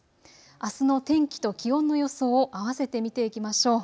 あすの天気と気温の予想を合わせて見ていきましょう。